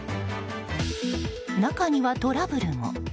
中には、トラブルも。